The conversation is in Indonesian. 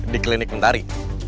di klinik mentari